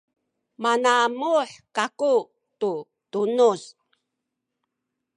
manamuh kaku tu tunuz